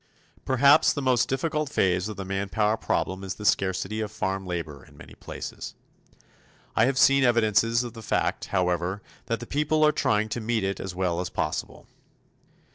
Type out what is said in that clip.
Perhaps the most difficult phase of the manpower problem is the scarcity of farm labor in many places. I have seen evidences of the fact, however, that the people are trying to meet it as well as possible.